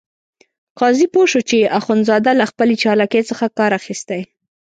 قاضي پوه شو چې اخندزاده له خپلې چالاکۍ څخه کار اخیستی.